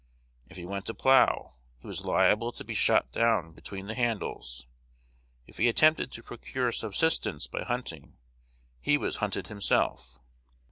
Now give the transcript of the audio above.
If he went to plough, he was liable to be shot down between the handles; if he attempted to procure subsistence by hunting, he was hunted himself.